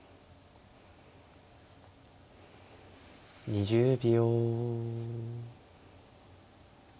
２０秒。